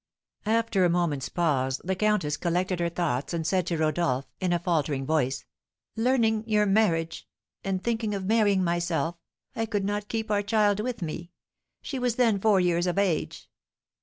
After a moment's pause, the countess collected her thoughts, and said to Rodolph, in a faltering voice, "Learning your marriage, and thinking of marrying myself, I could not keep our child with me; she was then four years of age."